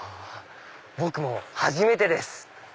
僕も初めてです。